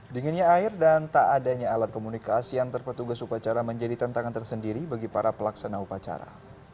dinginnya air dan tak adanya alat komunikasi yang terpetugas upacara menjadi tantangan tersendiri bagi para pelaksana upacara